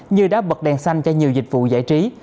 như đá bật đèn xanh cho nhiều dịch vụ giải trí